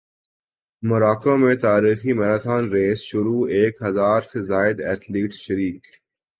موراکو میں تاریخی marathon race شروع ایک ہزار سے زائد ایتھلیٹس شریک